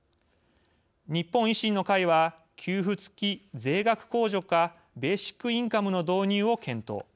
「日本維新の会」は給付付き税額控除かベーシックインカムの導入を検討。